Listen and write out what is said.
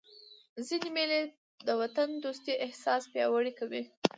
ځيني مېلې د وطن دوستۍ احساس پیاوړی کوي.